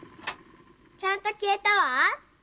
ちゃんときえたわ。